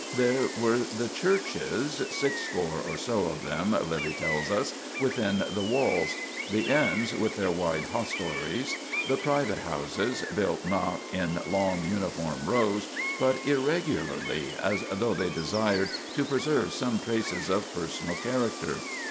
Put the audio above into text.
There were the churches—six score or so of them, Lyly tells us, within the walls; the inns, with their wide hostleries; the private houses, built not in long uniform rows, but irregularly, as though they desired to preserve some traces of personal character.